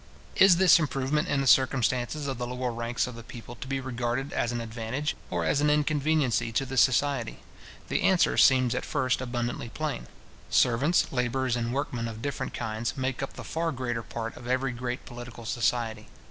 Is this improvement in the circumstances of the lower ranks of the people to be regarded as an advantage, or as an inconveniency, to the society? The answer seems at first abundantly plain. Servants, labourers, and workmen of different kinds, make up the far greater part of every great political society.